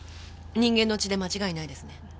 人間の血で間違いないですね。